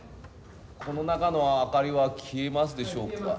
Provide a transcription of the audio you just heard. この中の明かりは消えますでしょうか。